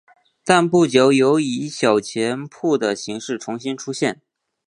但不久有以小钱铺的形式重新出现。